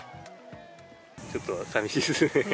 ちょっとさみしいですね。